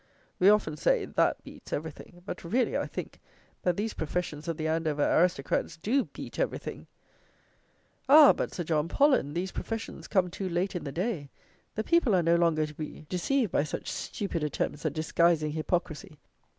We often say, "that beats everything;" but really, I think, that these professions of the Andover aristocrats do "beat everything." Ah! but, Sir John Pollen, these professions come too late in the day: the people are no longer to be deceived by such stupid attempts at disguising hypocrisy.